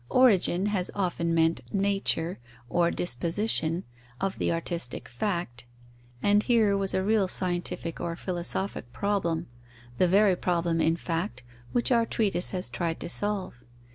Origin has often meant nature or disposition of the artistic fact, and here was a real scientific or philosophic problem, the very problem, in fact, which our treatise has tried to solve.